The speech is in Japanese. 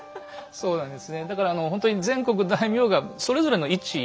そうなんです。